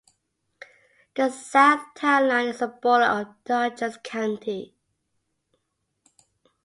The south town line is the border of Dutchess County.